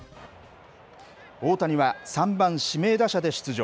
大谷は３番指名打者で出場。